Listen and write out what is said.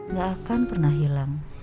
gak akan pernah hilang